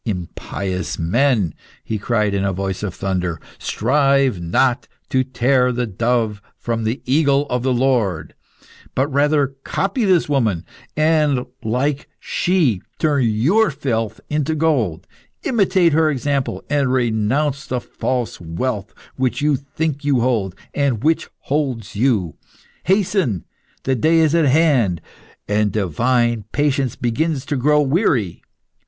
"Impious men," he cried in a voice of thunder, "strive not to tear the dove from the eagle of the Lord. But rather copy this woman, and like she turn your filth into gold. Imitate her example, and renounce the false wealth which you think you hold and which holds you. Hasten! the day is at hand, and divine patience begins to grow weary.